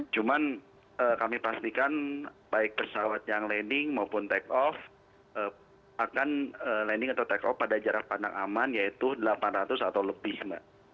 cuman kami pastikan baik pesawat yang landing maupun take off akan landing atau take off pada jarak pandang aman yaitu delapan ratus atau lebih mbak